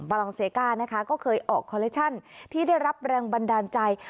รองเซกานะคะก็เคยออกคอลเลคชั่นที่ได้รับแรงบันดาลใจ